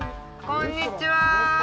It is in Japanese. こんにちは。